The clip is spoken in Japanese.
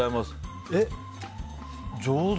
上手！